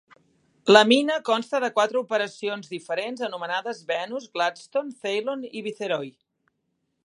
La mina consta de quatre operacions diferents anomenades Venus, Gladstone, Ceylon i Viceroy.